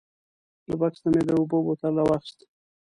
له بکس نه مې د اوبو بوتل راواخیست.